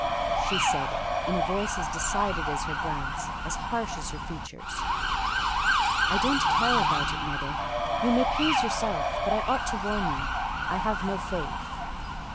she said, in a voice as decided as her glance, as harsh as her features. "I don't care about it, mother; you may please yourself: but I ought to warn you, I have no faith."